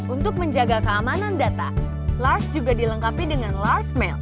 untuk menjaga keamanan data lark juga dilengkapi dengan lark mail